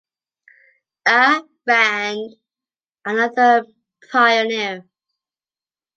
A. Rand, another pioneer.